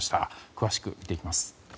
詳しく見ていきます。